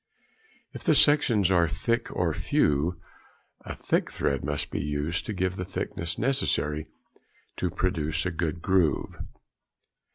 If the sections are thick or few, a thick thread must be used to give the thickness necessary to produce a good groove.